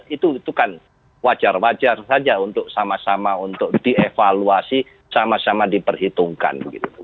itu kan wajar wajar saja untuk sama sama untuk dievaluasi sama sama diperhitungkan